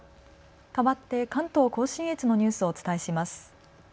かわって関東甲信越のニュースをお伝えします。